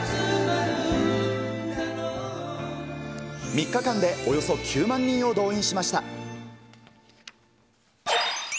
３日間でおよそ９万人を動員しました。